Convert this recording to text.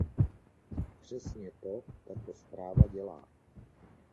Přesně to tato zpráva dělá.